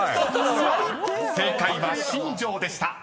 ［正解は「新庄」でした］